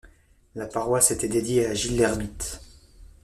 La paroisse était dédiée à Gilles l'Ermite.